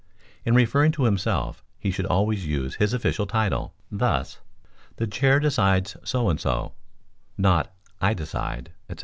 In referring to himself he should always use his official title thus: "The Chair decides so and so," not "I decide, &c."